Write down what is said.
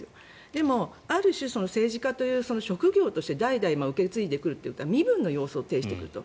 でも、ある種、政治家という職業として代々受け継いでいくというか身分の様相を呈してくると。